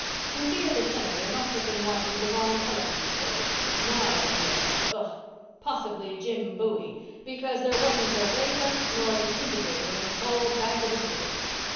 We fear the Senator must have been watching the wrong television shows knives yet, ugh! possibly Jim Bowie, because there wasn't a ray gun nor a disintegrator in his whole bag of exhibits.